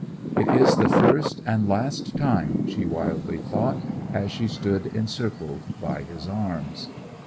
'It is the first and last time!' she wildly thought as she stood encircled by his arms.